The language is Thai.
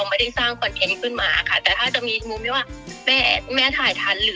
มีใครมีใคร